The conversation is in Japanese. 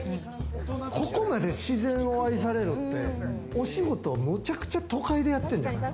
ここまで自然を愛されるって、お仕事をむちゃくちゃ都会でやってるんやないの？